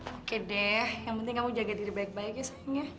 oke deh yang penting kamu jaga diri baik baik ya sayangnya